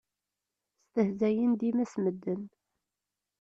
Stehzayen dima s medden.